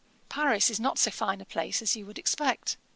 Paris is not so fine a place as you would expect.